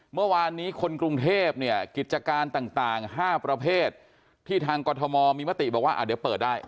เมื่อวานนี้คนกรุงเทพเนี่ยกิจการต่าง๕ประเภทที่ทางกรทมมีมติบอกว่าเดี๋ยวเปิดได้